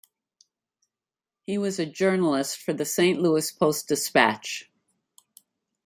He was a journalist for the "Saint Louis Post-Dispatch".